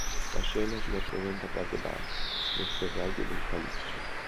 La scena si rappresenta a Bagdad, nel serraglio del Califfo.